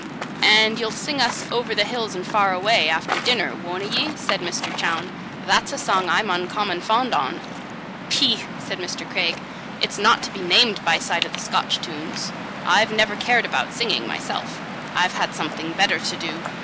"And ye'll sing us 'Over the hills and far away,' after dinner, wonna ye?" said Mr. Chowne. "That's a song I'm uncommon fond on." "Peeh!" said Mr. Craig; "it's not to be named by side o' the Scotch tunes. I've never cared about singing myself; I've had something better to do.